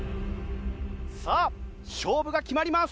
さあ勝負が決まります！